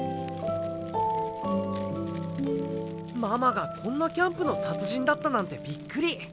ママがこんなキャンプの達人だったなんてビックリ。